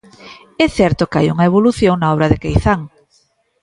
É certo que hai unha evolución na obra de Queizán.